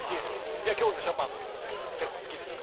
じゃあ今日のショパンも当然結構好きですか。